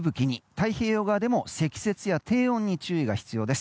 太平洋側でも積雪や低温に注意が必要です。